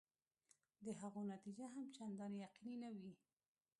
د هغو نتیجه هم چنداني یقیني نه وي.